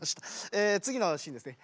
え次のシーンですね。